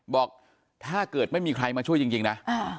บอกถ้าเกิดไม่มีใครมาช่วยจริงนะ